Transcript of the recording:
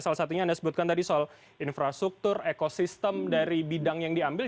salah satunya anda sebutkan tadi soal infrastruktur ekosistem dari bidang yang diambil